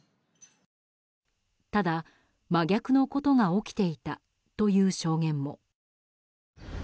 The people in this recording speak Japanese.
ただ、真逆のことが起きていたという証言も。